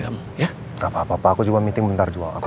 tidak apa apa saya hanya akan mengadakan pernikahan sebentar saja